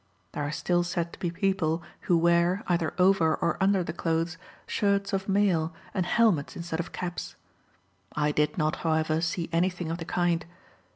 There are still said to be people who wear, either over or under the clothes, shirts of mail, and helmets instead of caps. I did not, however, see anything of the kind.